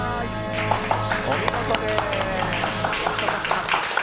お見事です。